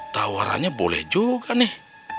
tawarannya boleh juga nih